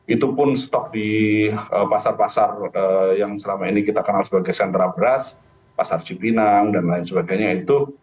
itu pun stok di pasar pasar yang selama ini kita kenal sebagai sentra beras pasar cipinang dan lain sebagainya itu